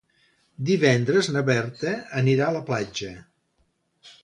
Divendres na Berta anirà a la platja.